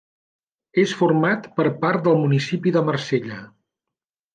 És format per part del municipi de Marsella.